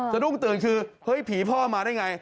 สะดุ้งตื่นคือเฮ้ยผีพ่อมาได้ไง